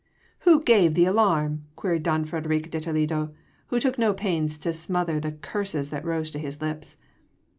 "Who gave the alarm?" queried don Frederic de Toledo, who took no pains to smother the curses that rose to his lips.